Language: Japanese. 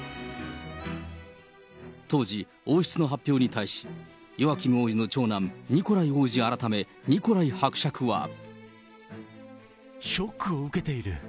当時、王室の発表に対し、ヨアキム王子の長男、ショックを受けている。